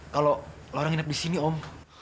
kalau orang nginep di sini om